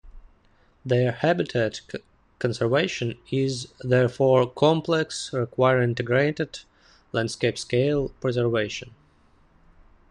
Their habitat conservation is, therefore, complex, requiring integrated, landscape-scale preservation.